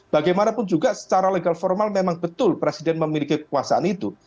bagaimanapun juga secara legal formal memang betul presiden memiliki kekuasaan itu